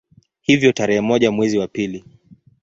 Hivyo tarehe moja mwezi wa pili